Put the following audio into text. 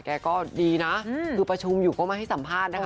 แกก็ดีนะคือประชุมอยู่ก็มาให้สัมภาษณ์นะคะ